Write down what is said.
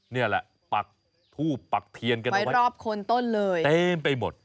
นี่แหละปักทูบปักเทียนกันเอาไว้รอบโคนต้นเลยเต็มไปหมด